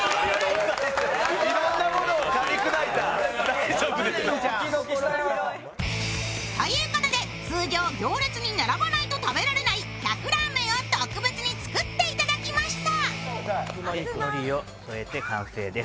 体調不良で。ということで通常行列に並ばないと食べられない１００ラーメンを特別に作っていただきました。